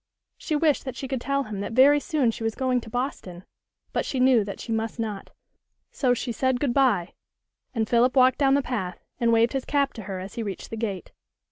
She wished that she could tell him that very soon she was going to Boston, but she knew that she must not; so she said good bye, and Philip walked down the path, and waved his cap to her as he reached the gate.